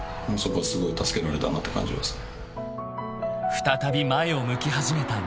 ［再び前を向き始めた西田］